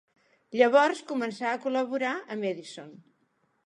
Llavors començà a col·laborar amb Edison.